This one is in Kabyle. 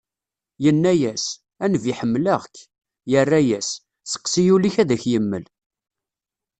Yenna-as: "A nnbi ḥemmleɣ-k." Yerra-as: "Seqsi ul-ik ad ak-yemmel."